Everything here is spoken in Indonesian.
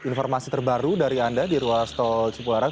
informasi terbaru dari anda di ruas tol cipularang